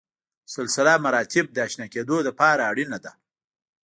سلسله مراتب د اشنا کېدو لپاره اړینه ده.